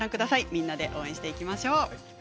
みんなで応援していきましょう。